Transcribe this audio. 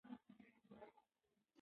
ماشوم د انا لاسونه په کلکه ونیول.